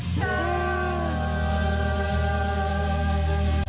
เธอเจอคนที่ดี